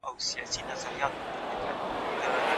هېواد د ناسم سياست له امله ويجاړ سو.